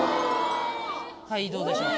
はいどうでしょう？